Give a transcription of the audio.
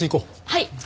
はい！